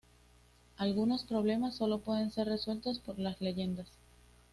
Algunos problemas solo pueden ser resueltos por las Leyendas.